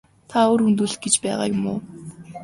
Та үр хөндүүлэх гэж байгаа юм уу?